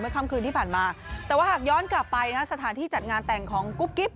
ค่ำคืนที่ผ่านมาแต่ว่าหากย้อนกลับไปสถานที่จัดงานแต่งของกุ๊บกิ๊บ